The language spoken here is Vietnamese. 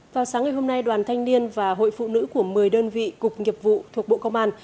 vào sáng ngày hôm nay đoàn thanh niên và hội phụ nữ của một mươi đơn vị cục nghiệp vụ thuộc bộ công an